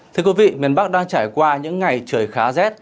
thưa quý vị miền bắc đang trải qua những ngày trời khá rét